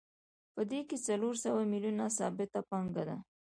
په دې کې څلور سوه میلیونه ثابته پانګه ده